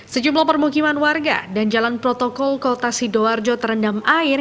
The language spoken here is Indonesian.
sejumlah permukiman warga dan jalan protokol kota sidoarjo terendam air